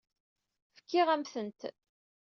Fkiɣ-am-tent.